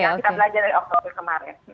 kita belajar dari oktober kemarin